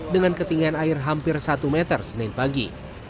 dengan ketinggian air hampir satu meter senin pagi